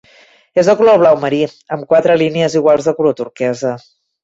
És de color blau marí, amb quatre línies iguals de color turquesa.